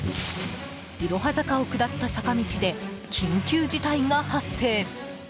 いろは坂を下った坂道で緊急事態が発生。